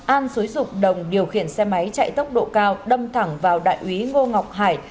an xúi dục đồng điều khiển xe máy chạy tốc độ cao đâm thẳng vào đại úy ngô ngọc hải